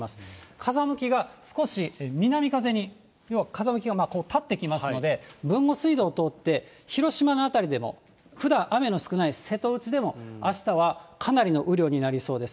風向きが少し南風に、要は風向きが立ってきますので、豊後水道を通って、広島の辺りでも、ふだん雨の少ない瀬戸内でも、あしたはかなりの雨量になりそうです。